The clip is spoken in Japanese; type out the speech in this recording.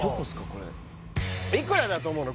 これいくらだと思うの？